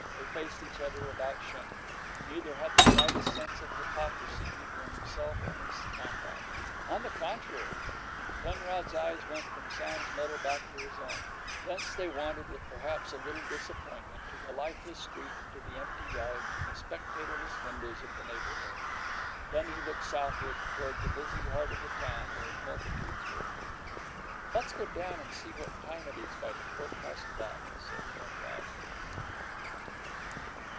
They faced each other without shame. Neither had the slightest sense of hypocrisy either in himself or in his comrade. On the contrary! Penrod's eyes went from Sam's medal back to his own; thence they wandered, with perhaps a little disappointment, to the lifeless street and to the empty yards and spectatorless windows of the neighborhood. Then he looked southward toward the busy heart of the town, where multitudes were. "Let's go down and see what time it is by the court house clock," said Penrod.